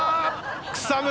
草村